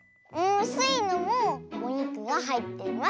スイのもおにくがはいってます！